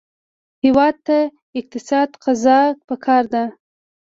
هېواد ته صادق قضا پکار ده